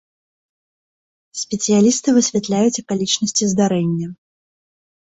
Спецыялісты высвятляюць акалічнасці здарэння.